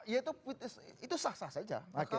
ya itu sah sah saja